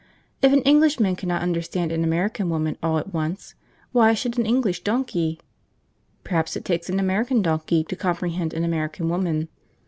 If an Englishman cannot understand an American woman all at once, why should an English donkey? Perhaps it takes an American donkey to comprehend an American woman.